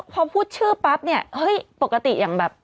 พอพูดชื่อปั๊บเนี่ยเฮ้ยปกติอย่างแบบ